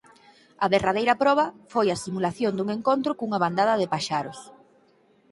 A derradeira proba foi a simulación dun encontro cunha bandada de paxaros.